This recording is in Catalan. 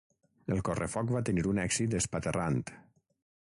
El correfoc va tenir un èxit espaterrant.